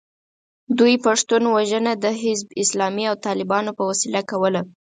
دوی پښتون وژنه د حزب اسلامي او طالبانو په وسیله کوله.